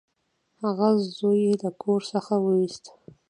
هغه زوی له کور څخه وویست.